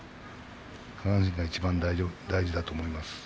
下半身がいちばん大事だと思います。